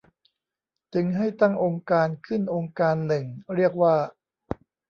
จึงให้ตั้งองค์การณ์ขึ้นองค์การณ์หนึ่งเรียกว่า